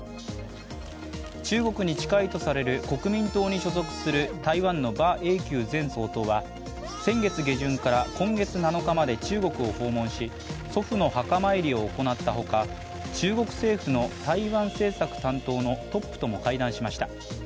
中国に近いとされる国民党に所属する台湾の馬英九前総統は先月下旬から今月７日まで中国を訪問し祖父の墓参りを行ったほか中国政府の台湾政策担当のトップとも会談しました。